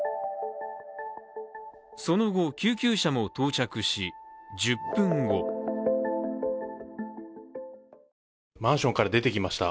その後、救急車も到着し、１０分後マンションから出てきました。